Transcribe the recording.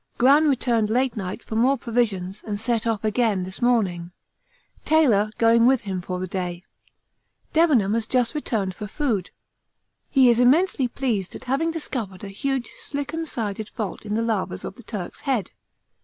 Gran returned last night for more provisions and set off again this morning, Taylor going with him for the day. Debenham has just returned for food. He is immensely pleased at having discovered a huge slicken sided fault in the lavas of the Turk's Head.